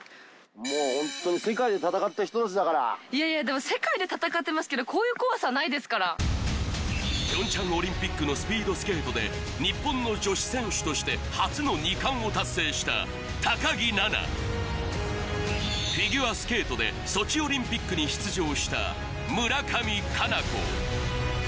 もうホントに世界で戦った人たちだからいやいやでも世界で戦ってますけどこういう怖さはないですから平昌オリンピックのスピードスケートで日本の女子選手として初の２冠を達成した木菜那フィギュアスケートでソチオリンピックに出場した村上佳菜子